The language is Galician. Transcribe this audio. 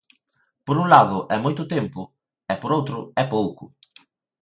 Por un lado é moito tempo e por outro é pouco.